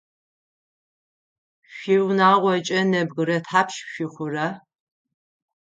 Шъуиунагъокӏэ нэбгырэ тхьапш шъухъура?